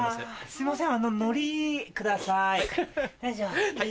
すいません。